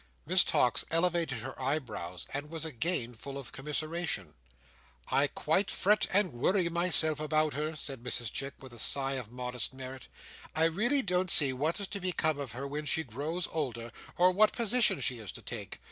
Miss Tox elevated her eyebrows, and was again full of commiseration. "I quite fret and worry myself about her," said Mrs Chick, with a sigh of modest merit. "I really don't see what is to become of her when she grows older, or what position she is to take.